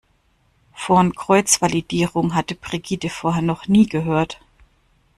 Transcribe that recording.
Von Kreuzvalidierung hatte Brigitte vorher noch nie gehört.